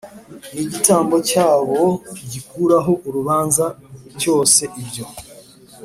N igitambo cyabo gikuraho urubanza cyose ibyo